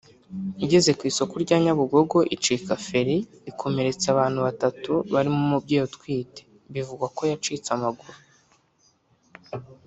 igeze ku isoko rya Nyabugogo icika feri ikomeretsa abantu batatu barimo umubyeyi utwite bivugwa ko yacitse amaguru